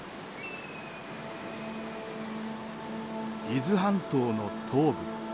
伊豆半島の東部。